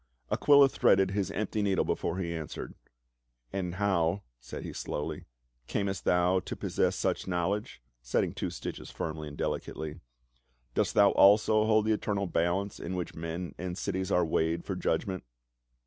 Aquila threaded his empty needle before he an swered. " And how," said he slowly, " camest thou to possess such knowledge?" — setting two stitches firmly and deliberately —" Dost thou also hold the eternal balance in which men and cities are weighed for judgment?"